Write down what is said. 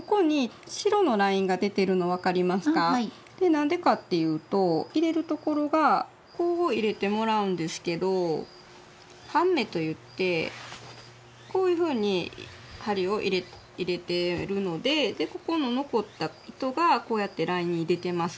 何でかっていうと入れるところがこう入れてもらうんですけど「半目」と言ってこういうふうに針を入れてるのででここの残った糸がこうやってラインに出てます。